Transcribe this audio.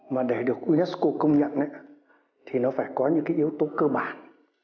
mà để được unesco công nhận thì nó phải có những cái yếu tố cơ bản